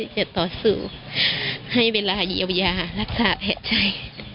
จะต่อสู้ให้เวลาเยียวยารักษาหายใจ